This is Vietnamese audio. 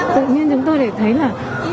tự nhiên chúng tôi thấy là